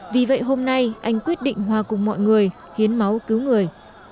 vì vậy hôm nay anh quyết định hòa cùng mọi người hiến máu cứu người